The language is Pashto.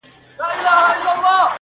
دوه او درې ځله یې دا خبره کړله -